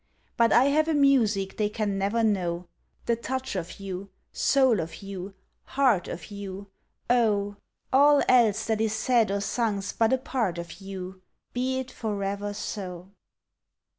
But I have a music they can never know The touch of you, soul of you, heart of you, Oh! All else that is said or sung 's but a part of you Be it forever so!